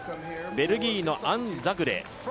ベルギーのアン・ザグレ。